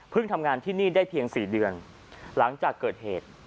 ทำงานที่นี่ได้เพียง๔เดือนหลังจากเกิดเหตุ